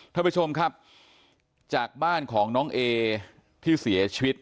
ท่านผู้ชมครับจากบ้านของน้องเอที่เสียชีวิต